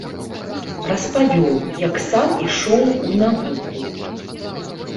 Распавёў, як сам ішоў у навуку.